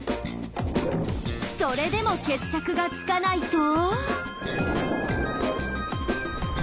それでも決着がつかないと。